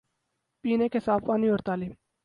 پینے کے صاف پانی اور تعلیم